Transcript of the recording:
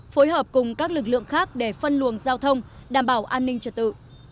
phối hợp cùng các lực lượng khác để phân luồng giao thông đảm bảo an ninh trật tự